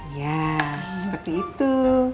iya seperti itu